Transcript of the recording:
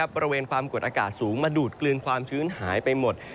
บริเวณความกดอากาศสูงมาดูดกลืนความชื้นหายไปหมด